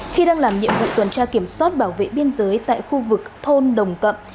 khi đang làm nhiệm vụ tuần tra kiểm soát bảo vệ biên giới tại khu vực thôn đồng cậm